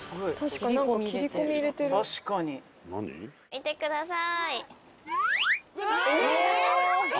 見てください。